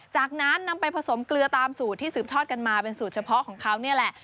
จากนั้นนำไปผสมเกลือตามสูตรที่สืบทอดกันมาเป็นสูตรเฉพาะของเขานี่แหละ